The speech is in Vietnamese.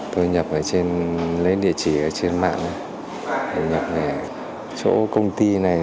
tôi nhập ở trên lấy địa chỉ ở trên mạng nhập về chỗ công ty này